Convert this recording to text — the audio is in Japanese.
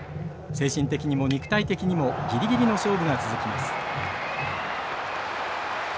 精神的にも肉体的にもギリギリの勝負が続きます。